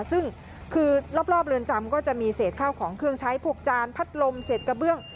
ซึ่งคือรอบเรือนจำก็จะมีเศษข้าวของเครื่องใช้พวกจานพัดลมเศษกระเบื้อง